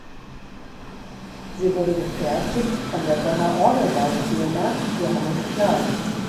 Sie wurde gefertigt von der Bonner Orgelbaufirma Johannes Klais.